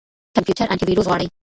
کمپيوټر انټيويروس غواړي.